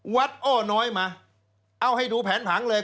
อ้อน้อยมาเอาให้ดูแผนผังเลย